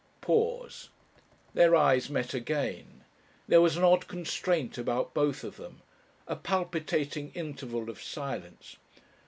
Pause. Their eyes met again. There was an odd constraint about both of them, a palpitating interval of silence.